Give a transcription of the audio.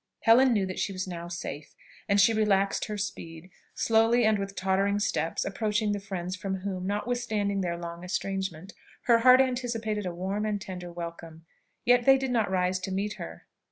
Helen knew that she was now safe, and she relaxed her speed, slowly and with tottering steps approaching the friends from whom, notwithstanding their long estrangement, her heart anticipated a warm and tender welcome. Yet they did not rise to meet her.